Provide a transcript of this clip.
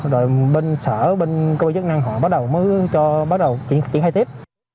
rồi bên sở bên cơ chức năng họ mới cho bắt đầu chuyển khai tiếp